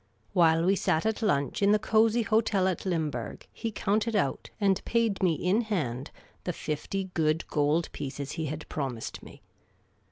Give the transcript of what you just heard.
While we sat at lunch in the cosy hotel at Limburg he counted out and paid me in hand the fifty good gold pieces he had promised me.